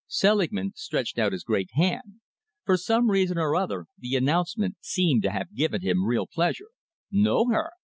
Selingman stretched out his great hand. For some reason or other, the announcement seemed to have given him real pleasure. "Know her?